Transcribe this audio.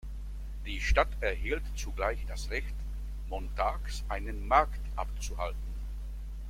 Die Stadt erhielt zugleich das Recht, montags einen Markt abzuhalten.